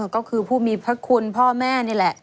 ก็คือผู้มีพระคุณพ่อแม่นี่แหละ